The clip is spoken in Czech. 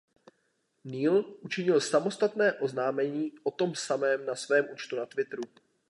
Neil učinil samostatné oznámení o tom samém na svém účtu na Twitteru.